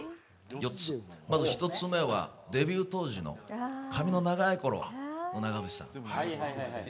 まず１つ目は、デビュー当時の髪の長いころの長渕さん。